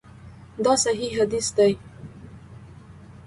دا صحیح حدیث دی.